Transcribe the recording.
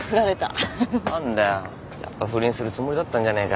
何だよやっぱ不倫するつもりだったんじゃねえかよ。